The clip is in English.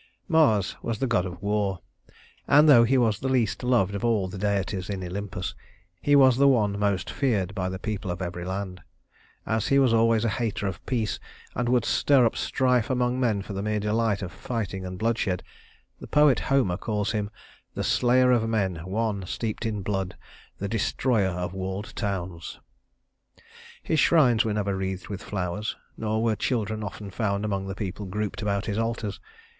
II Mars was the god of war; and though he was the least loved of all the deities in Olympus, he was the one most feared by the people of every land. As he was always a hater of peace, and would stir up strife among men for the mere delight of fighting and bloodshed, the poet Homer calls him "the slayer of men, one steeped in blood, the destroyer of walled towns." His shrines were never wreathed with flowers, nor were children often found among the people grouped about his altars.